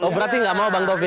oh berarti nggak mau bang govi